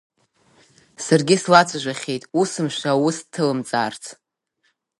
Саргьы слацәажәахьеит, усымшәа аус ҭылымҵаарц.